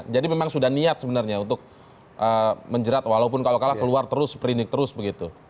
jadi memang sudah niat sebenarnya untuk menjerat walaupun kalau kalah keluar terus seperindik terus begitu